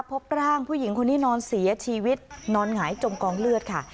พบร่างผู้หญิงคนนี้นอนเสียชีวิตนอนหงายจมกองเลือดค่ะ